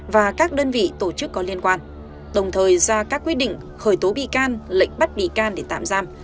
và các đơn vị tổ chức có liên quan đồng thời ra các quyết định khởi tố bị can lệnh bắt bị can để tạm giam